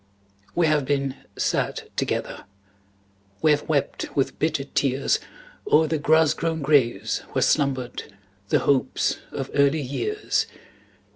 We have been sad together; We have wept with bitter tears O'er the grass grown graves where slumbered The hopes of early years.